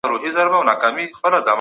کوچنی قدم هم مخکي تګ دی